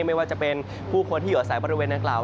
ไม่ว่าจะเป็นผู้คนที่อยู่อาศัยบริเวณนางกล่าว